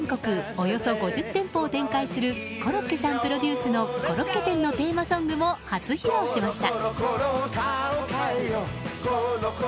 およそ５０店舗を展開するコロッケさんプロデュースのコロッケ店のテーマソングも初披露しました。